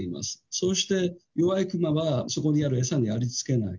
そうして弱いクマはそこにある餌にありつけない。